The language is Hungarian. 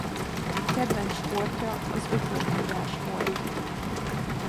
Kedvenc sportja az ökölvívás volt.